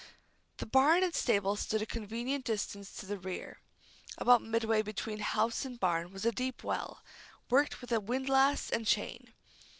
The barn and stable stood a convenient distance to the rear. About midway between house and barn was a deep well, worked with a windlass and chain.